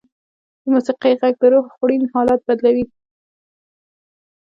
د موسیقۍ ږغ د روح خوړین حالت بدلوي.